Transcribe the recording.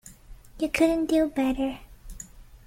You couldn't do better.